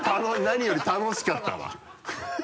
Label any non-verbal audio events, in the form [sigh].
何より楽しかったわ [laughs]